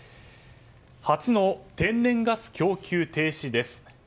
初の天然ガス供給停止です。